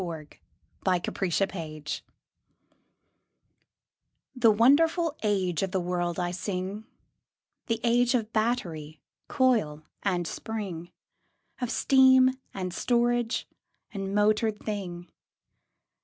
THE AGE OF MOTORED THINGS The wonderful age of the world I sing— The age of battery, coil and spring, Of steam, and storage, and motored thing.